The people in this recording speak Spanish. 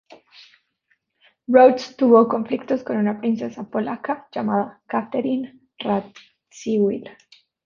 Rhodes tuvo conflictos con una princesa polaca llamada Catherine Radziwill.